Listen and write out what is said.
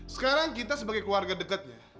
sekarang kita sebagai keluarga dekatnya